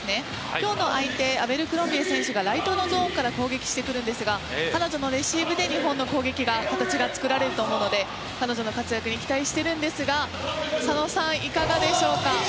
今日の相手アベルクロンビエ選手が攻撃してくるんですが彼女のレシーブで日本の攻撃の形が作られると思うので彼女の活躍に期待しているんですが佐野さん、いかがでしょうか。